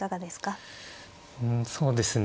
うんそうですね